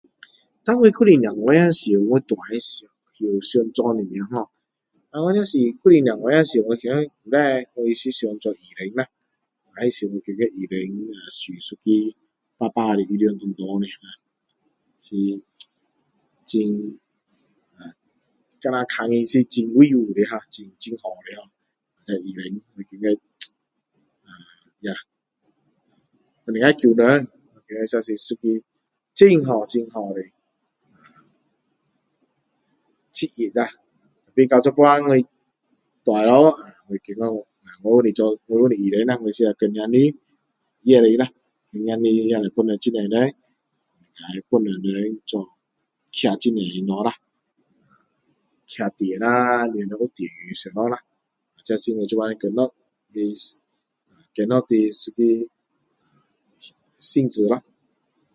啊我还是小孩子的时候我大的时候想做什么ho我还是小孩子时候我觉得以前我是想做医生啦那时候觉得做医生穿一个白白的衣服长长的是啧很就好像看它很威武的哈很好的咯那个医生我觉得能够救人是一个很好很好的职业变成现在我大了我觉得我不是做我不是医生啦我是工程师也可以啦工程师也是帮助很多人也帮助人做建很多的东西啦建电啊建地啊这是我现在的工作的工作的一个性质啦